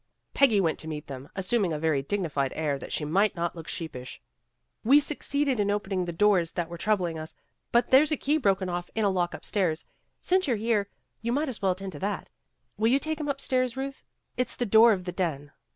Peggy went to meet them, assum ing a very dignified air that she might not look sheepish. "We succeeded in opening the doors that were troubling us, but there 's a key broken off in a lock upstairs. Since you're here, you might as well attend to that. Will you take him upstair, Ruth. It's the door of the den."